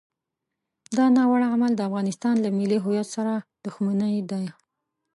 دا ناوړه عمل د افغانستان له ملي هویت سره دښمني ده.